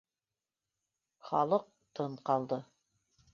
Халыҡ тын ҡалды